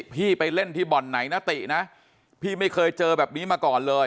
ไปเล่นที่บ่อนไหนนะตินะพี่ไม่เคยเจอแบบนี้มาก่อนเลย